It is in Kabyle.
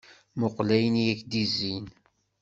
Muqqel ayen i ak-d-izzin.